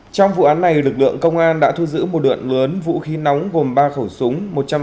trong vụ án này lực lượng công an đã thu giữ một lượng lớn vũ khí nóng gồm ba khẩu súng